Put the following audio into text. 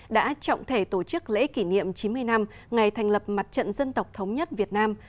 đã trọng thể tổ chức lễ kỷ niệm chín mươi năm ngày thành lập mặt trận dân tộc thống nhất việt nam